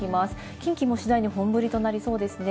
近畿も次第に本降りとなりそうですね。